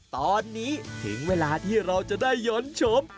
ตอนนี้ถึงเวลาที่เราจะได้ย้อนชม